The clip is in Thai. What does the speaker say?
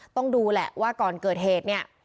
ต้องดูแหละว่าก่อนเกิดเหตุเนี่ย